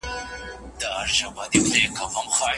په پرمختللو ټولنو کي د هر ډول کرکې او تعصب خپرول منع دي.